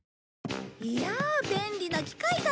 いやあ便利な機械だ。